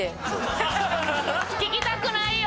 聞きたくないよ！